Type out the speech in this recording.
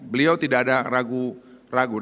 beliau tidak ada ragu